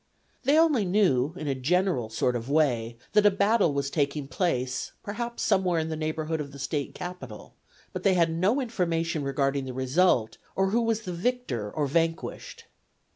They only knew in a general sort of way that a battle was taking place perhaps somewhere in the neighborhood of the State Capital, but they had no information regarding the result, or who was the victor or vanquished.